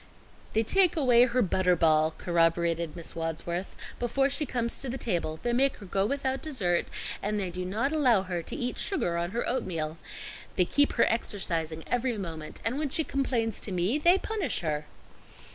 "They take away her butter ball," corroborated Miss Wadsworth, "before she comes to the table; they make her go without dessert, and they do not allow her to eat sugar on her oatmeal. They keep her exercising every moment, and when she complains to me, they punish her."